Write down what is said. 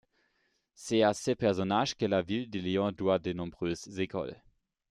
C’est à ce personnage que la ville de Lyon doit de nombreuses écoles.